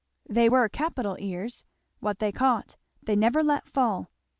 They were capital ears; what they caught they never let fall.